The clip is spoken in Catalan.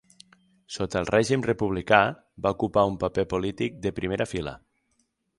Sota el règim republicà, va ocupar un paper polític de primera fila.